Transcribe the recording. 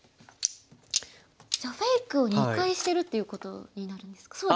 じゃあフェイクを２回してるっていうことになるんですか？